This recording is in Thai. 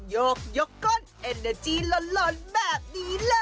ยกยก้นเอ็นเนอร์จี้ลนแบบนี้เลย